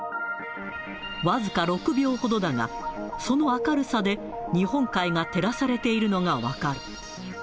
僅か６秒ほどだが、その明るさで、日本海が照らされているのが分かる。